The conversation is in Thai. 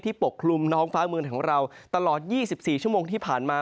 ปกคลุมท้องฟ้าเมืองของเราตลอด๒๔ชั่วโมงที่ผ่านมา